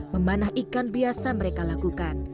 memanah ikan biasa mereka lakukan